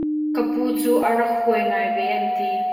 Ka pu cu a rak huai ngai ve an ti.